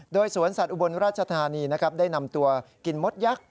โดยสวนสัตว์อุบลราชธานีนะครับได้นำตัวกินมดยักษ์